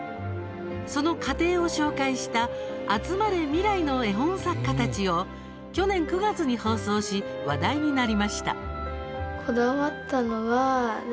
その過程を紹介した「集まれ！未来の絵本作家たち」を去年９月に放送し話題になりました。